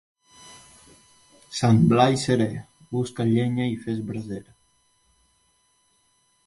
Sant Blai serè, busca llenya i fes braser.